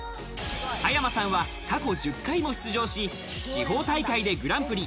葉山さんは過去１０回も出場し、地方大会でグランプリ。